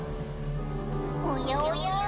・おやおや？